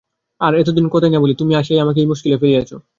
আমি এতদিন কোনো কথাই বলি নাই, তুমি আসিয়াই আমাকে এই মুশকিলে ফেলিয়াছ।